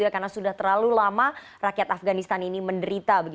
karena sudah terlalu lama rakyat afghanistan ini menderita